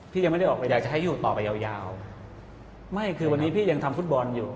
ยังไม่ได้ออกไปอยากจะใช้อยู่ต่อไปยาวยาวไม่คือวันนี้พี่ยังทำฟุตบอลอยู่